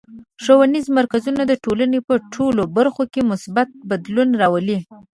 ښوونیز مرکزونه د ټولنې په ټولو برخو کې مثبت بدلون راولي.